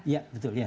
iya betul ya